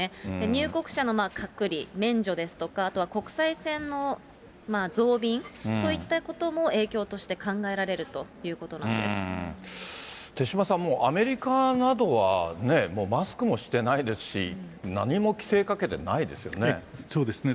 入国者の隔離、免除ですとか、あとは国際線の増便といったことも影響として考えられるというこ手嶋さん、もうアメリカなどは、もうマスクもしてないですし、そうですね。